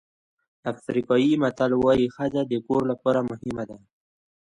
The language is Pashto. افریقایي متل وایي ښځه د کور لپاره مهمه ده.